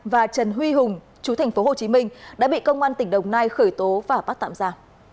và trần huy hùng chú thành phố hồ chí minh đã bị công an tỉnh đồng nai khởi tố và bắt tạm giả